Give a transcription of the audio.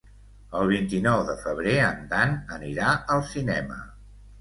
El vint-i-nou de febrer en Dan anirà al cinema.